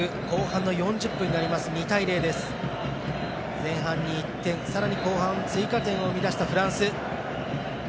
前半に１点、さらに後半追加点を生み出したフランス。